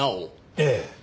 ええ。